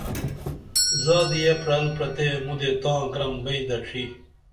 زادیہ پرل پرتے مُدے تاں گرم بئیں دڇھی